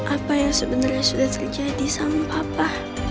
apa yang sebenarnya sudah terjadi sama apa